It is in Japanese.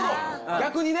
逆にね。